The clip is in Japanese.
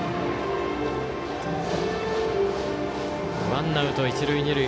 ワンアウト一塁二塁。